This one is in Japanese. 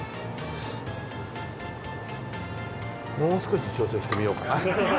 もう少し挑戦してみようかな。